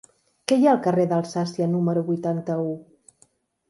Què hi ha al carrer d'Alsàcia número vuitanta-u?